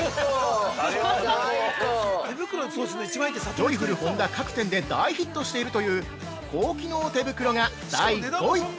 ◆ジョイフル本田各店で大ヒットしているという高機能手袋が第５位。